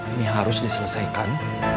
ini harus diselesaikan